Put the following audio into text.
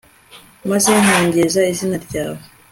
maze nkogeza izina ryawe